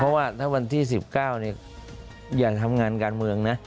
เพราะว่าถ้าวันที่๑๙อย่าทำงานการเมืองนะ